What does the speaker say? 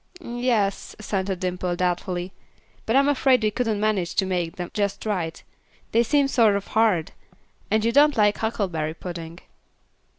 "Yes," assented Dimple, doubtfully, "but I'm afraid we couldn't manage to make them just right; they seem sort of hard; and you don't like huckleberry pudding."